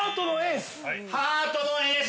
◆ハートのエース。